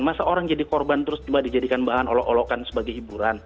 masa orang jadi korban terus juga dijadikan bahan olok olokan sebagai hiburan